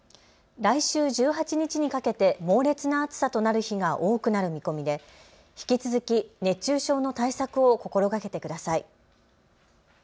来週１８日にかけて猛烈な暑さとなる日が多くなる見込みで引き続き熱中症の対策を心がけてください。